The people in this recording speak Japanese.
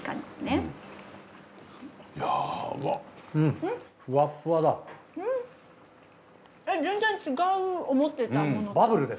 えっ全然違う思ってたものと。